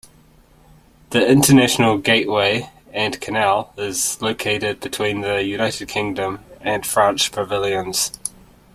The International Gateway and canal is located between the United Kingdom and France pavilions.